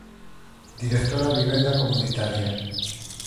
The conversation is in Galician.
Directora Vivenda comunitaria.